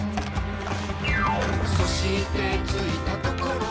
「そして着いたところは」